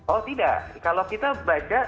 oh tidak kalau kita baca